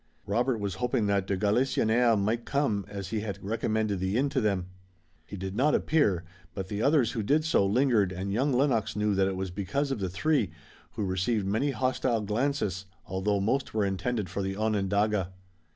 Robert was hoping that de Galisonnière might come, as he had recommended the inn to them. He did not appear, but the others who did so lingered and young Lennox knew that it was because of the three, who received many hostile glances, although most were intended for the Onondaga.